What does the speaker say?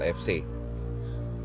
dan juga kelas lfc